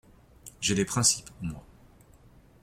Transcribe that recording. J’ai des principes, moi !